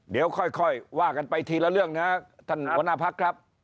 เดี๋ยวค่อยว่ากันไปทีละเรื่องนะครับท่านหัวหน้าพักครับ